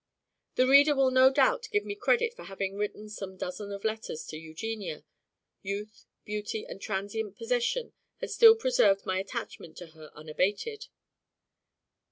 The reader will no doubt give me credit for having written some dozen of letters to Eugenia: youth, beauty, and transient possession had still preserved my attachment to her unabated.